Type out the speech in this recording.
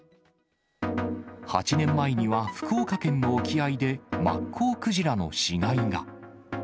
８年前には福岡県の沖合でマッコウクジラの死骸が。